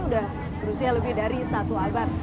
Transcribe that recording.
sudah berusia lebih dari satu abad